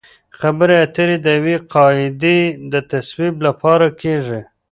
خبرې اترې د یوې قاعدې د تصویب لپاره کیږي